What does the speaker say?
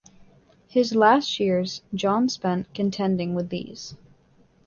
His last years John spent contending with these.